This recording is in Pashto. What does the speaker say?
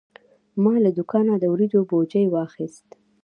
ما له دوکانه د وریجو بوجي واخیست.